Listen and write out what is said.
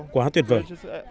quá tuyệt vời